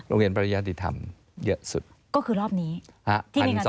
โรงเรียนปริญญาติธรรมเยอะสุดก็คือรอบนี้